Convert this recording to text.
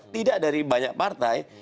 tidak dari banyak partai